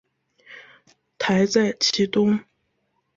台在其东。